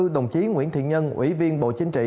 đồng chí nguyễn thiện nhân ủy viên bộ chính trị